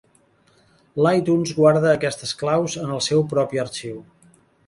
L'iTunes guarda aquestes claus en el seu propi arxiu.